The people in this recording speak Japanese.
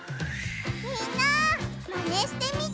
みんなマネしてみてね！